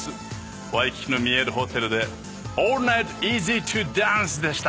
ワイキキの見えるホテルでオールナイトイージートゥダンスでした。